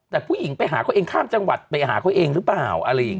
แต่ผู้หญิงไปหาเขาเองข้ามจังหวัดไปหาเขาเองหรือเปล่า